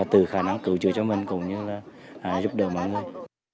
từ khả năng cựu trừ cho mình cũng như là giúp đỡ mọi người